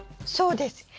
そうです。